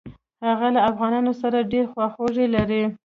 هغه له افغانانو سره ډېره خواخوږي لري.